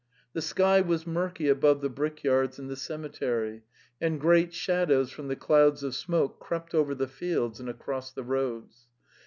The sky was murky above the brickyards and the cemetery, and great shadows from the clouds of smoke crept over the fields and across the roads.